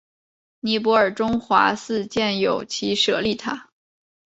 尼泊尔中华寺建有其舍利塔。